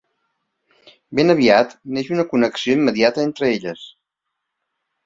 Ben aviat, neix una connexió immediata entre elles.